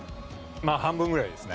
半分ぐらいですね。